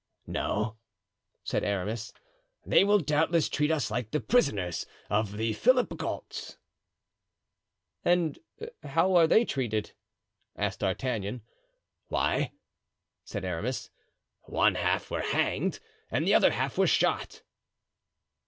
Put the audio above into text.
"No," said Aramis, "they will doubtless treat us like the prisoners of the Philipghauts." "And how were they treated?" asked D'Artagnan. "Why," said Aramis, "one half were hanged and the other half were shot."